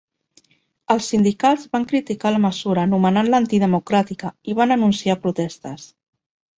Els sindicats van criticar la mesura anomenant-la antidemocràtica i van anunciar protestes.